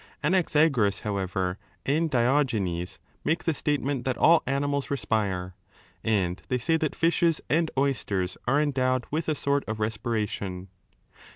Anaxagoras, however, and Diogenes make the statement that all animals respire, and they say that fishes and oysters are endowed with 2 a sort of respiration.